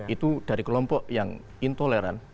itu dari kelompok yang intoleran